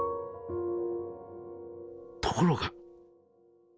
ところが。